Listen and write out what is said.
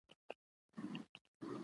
زۀ په دې اړه کوم مثال نه شم ليکلی.